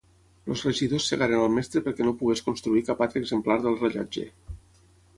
Els regidors cegaren al mestre perquè no pogués construir cap altre exemplar del rellotge.